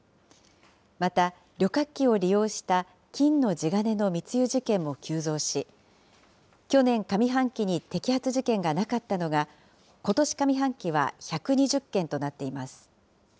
また旅客機を利用した金の地金の密輸事件も急増し、去年上半期に摘発事件がなかったのが、ことし上半期は１２０件となっています。